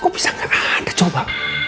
kok bisa gak ada coba